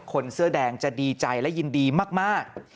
คนเสื้อแดงจะดีใจและยินดีมาก